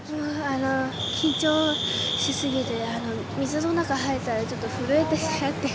緊張しすぎて水の中入ったらちょっと震えてしまって。